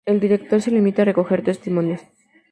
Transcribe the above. El director se limita a recoger testimonios.